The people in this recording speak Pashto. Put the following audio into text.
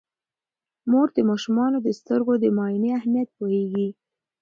مور د ماشومانو د سترګو د معاینې اهمیت پوهیږي.